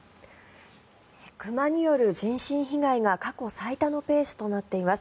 熊による人身被害が過去最多のペースとなっています。